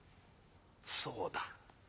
そうだ。